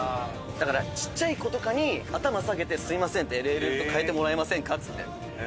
だからちっちゃい子とかに頭下げて「すいませんＬＬと替えてもらえませんか」っつって。